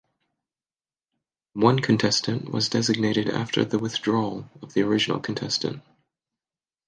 One contestant was designated after the withdrawal of the original contestant.